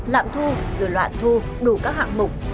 lạm thu rồi loạn thu đủ các hạng mục